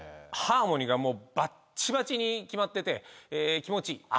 ハーモニーがばっちばちに決まってて気持ちいい。